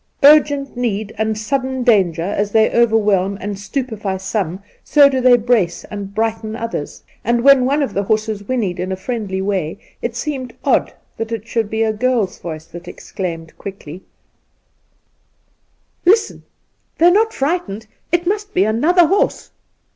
Urgent need and sudden danger, as they overwhelm and stupefy some, so do they brace and brighten others ; and when one of the horses whinnied in a friendly way, it seemed odd that it should be a girl's voice that exclaimed quickly :' Listen ! they're not frightened. It must be another horse